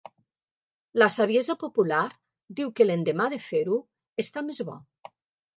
La saviesa popular diu que l'endemà de fer-ho està més bo.